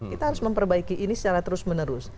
kita harus memperbaiki ini secara terus menerus